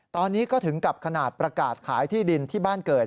ตอนนี้ก็ถึงกับขนาดประกาศขายที่ดินที่บ้านเกิด